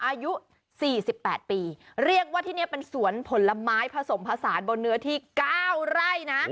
อายุ๔๘ปีเรียกว่าที่นี่เป็นสวนผลไม้ผสมผสานบนเนื้อที่๙ไร่นะ